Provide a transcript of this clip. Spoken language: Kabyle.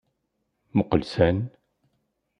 Muqel san!